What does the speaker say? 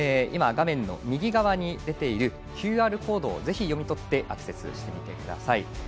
画面の右側に出ているＱＲコードをぜひ読み取ってアクセスしてください。